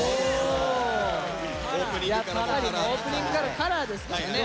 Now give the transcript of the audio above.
やっぱりオープニングからカラーですからね